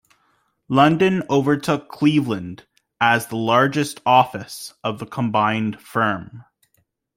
London overtook Cleveland as the largest office of the combined firm.